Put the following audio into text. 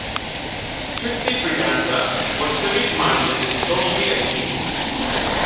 Trixie Friganza was civic minded and socially attuned.